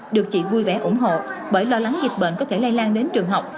được chị vui vẻ ủng hộ bởi lo lắng dịch bệnh có thể lây lan đến trường học